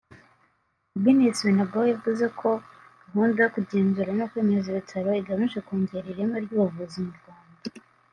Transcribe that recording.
Agnes Binagwaho yavuze ko gahunda yo kugenzura no kwemeza ibitaro igamije kongera ireme ry’ubuvuzi mu Rwanda